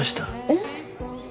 えっ？